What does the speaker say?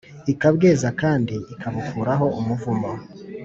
ikabweza kandi ikabukuraho umuvumo